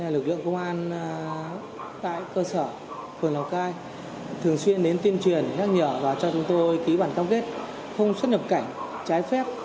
lực lượng công an tại cơ sở phường lào cai thường xuyên đến tuyên truyền nhắc nhở và cho chúng tôi ký bản cam kết không xuất nhập cảnh trái phép